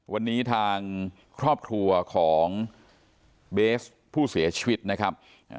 วันนี้ทางครอบครัวของเบสผู้เสียชีวิตนะครับ